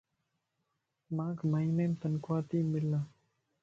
مانک مھينيم تنخواه تي ملَ